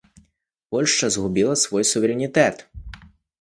Польшча згубіла свой суверэнітэт!